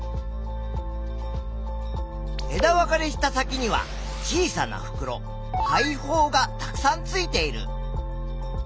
枝分かれした先には小さなふくろ「肺胞」がたくさんついている。